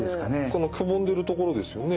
このくぼんでるところですよね。